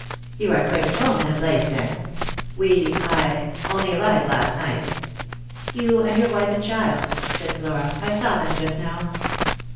"You are quite at home in the place, then. We — I — only arrived last night." "You and your wife and child," said Flora; "I saw them just now."